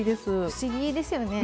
不思議ですよね。